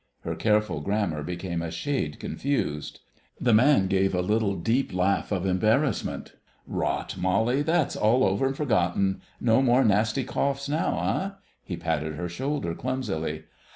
Her careful grammar became a shade confused. The man gave a little, deep laugh of embarrassment. "Rot! Molly, that's all over and forgotten. No more nasty coughs now, eh?" He patted her shoulder clumsily.